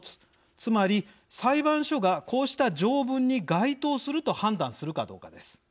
つまり裁判所がこうした条文に該当すると判断するかどうかです。